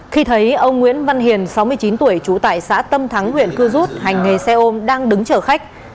khi thấy ông nguyễn văn hiền sáu mươi chín tuổi trú tại xã tâm thắng huyện cư rút hành nghề xe ôm đang đứng chở khách